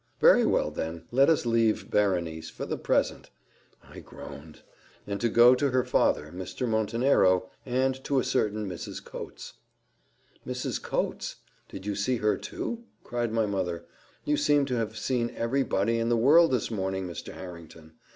"Very well, then, let us leave Berenice for the present" I groaned "and go to her father, Mr. Montenero, and to a certain Mrs. Coates." "Mrs. Coates! did you see her too?" cried my mother: "you seem to have seen every body in the world this morning, Mr. Harrington.